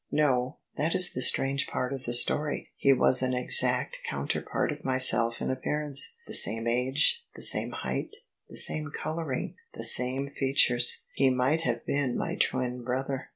" No ; that is the strange part of the story. He was an exact coimterpart of myself in appearance — the same age, the same height, the same colouring, the same features. He might have been my twin brother.